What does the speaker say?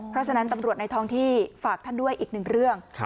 เพราะฉะนั้นตำรวจในท้องที่ฝากท่านด้วยอีกหนึ่งเรื่อง